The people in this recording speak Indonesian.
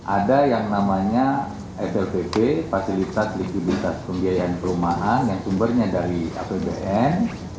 ada yang namanya flpp fasilitas likuiditas pembiayaan perumahan yang sumbernya dari apbn